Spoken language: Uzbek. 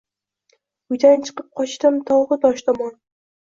Uydan chiqib qochdim tog’u tosh tomon.